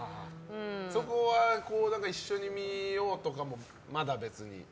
そこは一緒に見ようとかまだ別に？